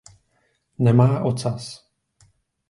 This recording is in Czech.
Nemá ocas.